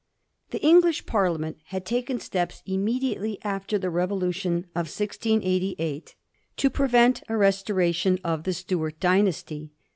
The English Parliament had taken steps imme diately after the Revolution of 1688 to prevent a restoration of the Stuart dynasty.